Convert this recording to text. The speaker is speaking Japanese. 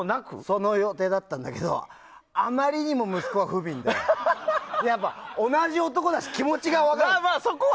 その予定だったんだけどあまりにも息子が不憫で同じ男だし、気持ちも分かる。